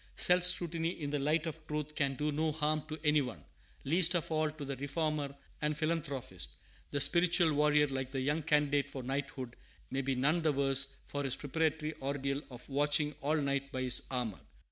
Self scrutiny in the light of truth can do no harm to any one, least of all to the reformer and philanthropist. The spiritual warrior, like the young candidate for knighthood, may be none the worse for his preparatory ordeal of watching all night by his armor.